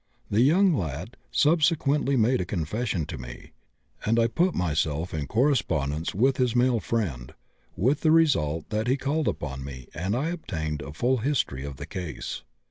The young lad subsequently made a confession to me, and I put myself in correspondence with his male friend, with the result that he called upon me and I obtained a full history of the case.